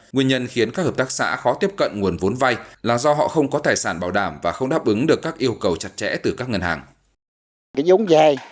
nguyên nhân khiến các hợp tác xã khó tiếp cận nguồn vốn vay là do họ không có tài sản bảo đảm và không đáp ứng được các yêu cầu chặt chẽ từ các ngân hàng